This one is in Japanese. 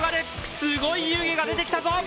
すごい湯気が出てきたぞ！